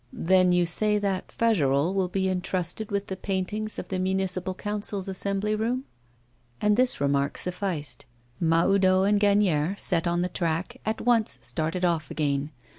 'Then you say that Fagerolles will be entrusted with the paintings for the Municipal Council's assembly room?' And this remark sufficed; Mahoudeau and Gagnière, set on the track, at once started off again.